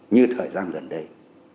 như thời gian gần đây